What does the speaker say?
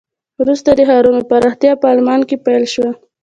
وروسته د ښارونو پراختیا په آلمان کې پیل شوه.